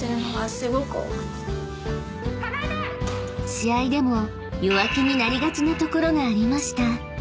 ［試合でも弱気になりがちなところがありました］